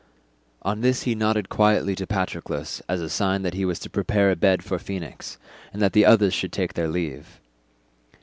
On this he nodded quietly to Patroclus as a sign that he was to prepare a bed for Phoenix, and that the others should take their leave.